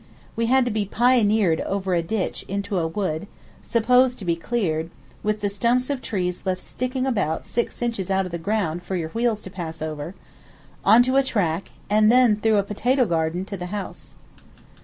We had to be pioneered over a ditch into a wood, supposed to be cleared, with the stumps of trees left sticking about six inches out of the ground for your wheels to pass over, on to a track, and then through a potato garden to the house.